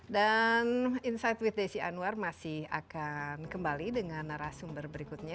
dan insight with desi anwar masih akan kembali dengan narasumber berikutnya